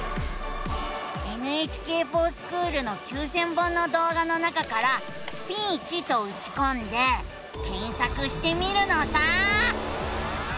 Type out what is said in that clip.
「ＮＨＫｆｏｒＳｃｈｏｏｌ」の９，０００本の動画の中から「スピーチ」とうちこんで検索してみるのさ！